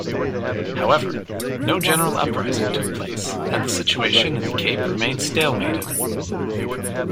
However, no general uprising took place, and the situation in the Cape remained stalemated.